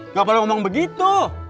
nggak perlu ngomong begitu